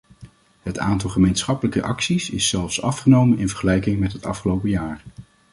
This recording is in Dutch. Het aantal gemeenschappelijke acties is zelfs afgenomen in vergelijking met het afgelopen jaar.